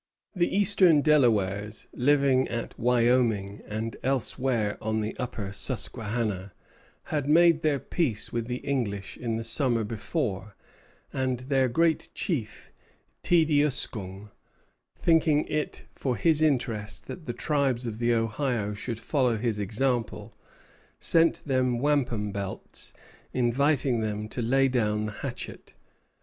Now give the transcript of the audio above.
The eastern Delawares, living at Wyoming and elsewhere on the upper Susquehanna, had made their peace with the English in the summer before; and their great chief, Teedyuscung, thinking it for his interest that the tribes of the Ohio should follow his example, sent them wampum belts, inviting them to lay down the hatchet.